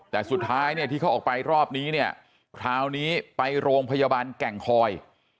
แต่สุดท้ายเนี่ยที่เขาออกไปรอบนี้เนี่ยคราวนี้ไปโรงพยาบาลแก่งคอย